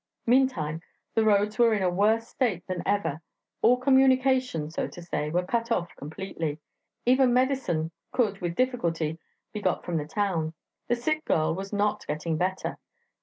Meantime the roads were in a worse state than ever; all communications, so to say, were cut off completely; even medicine could with difficulty be got from the town... The sick girl was not getting better...